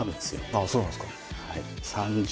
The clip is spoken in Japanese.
あっそうなんすか。